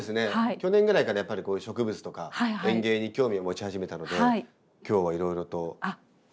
去年ぐらいからやっぱりこういう植物とか園芸に興味を持ち始めたので今日はいろいろと教えていただきたいなと。